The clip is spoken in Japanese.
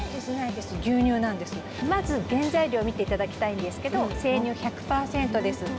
原材料見ていただきたいんですけど、生乳１００％です。